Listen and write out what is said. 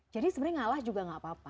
jadi sebenernya ngalah juga ga apa apa